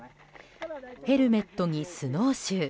ヘルメットにスノーシュー。